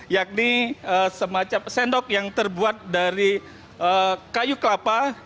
yakni semacam sendok yang terbuat dari kayu kelapa